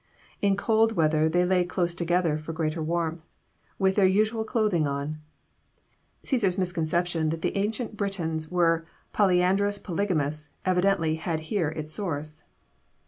In cold weather they lay close together for greater warmth, with their usual clothing on. Cæsar's misconception that the ancient Britons were polyandrous polygamists evidently had here its source.